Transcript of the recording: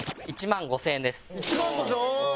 １万５０００円おお。